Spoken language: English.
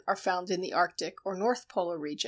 are found in the Arctic or North Polar regions.